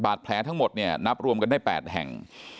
แผลทั้งหมดเนี่ยนับรวมกันได้๘แห่ง